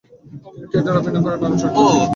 তিনি থিয়েটারে অভিনয় করেন নানা চরিত্রে।